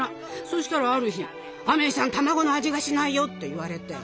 そしたらある日「アメイさん卵の味がしないよ」って言われて。